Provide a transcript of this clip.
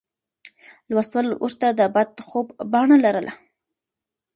لوستل ورته د بد خوب بڼه لرله.